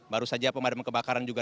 baru saja pemadam kebakaran